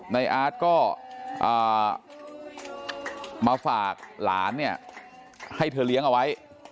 อาร์ตก็มาฝากหลานเนี่ยให้เธอเลี้ยงเอาไว้